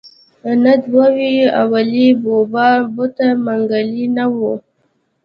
نه دوه وې اولې بوډا بوته منګلی نه و.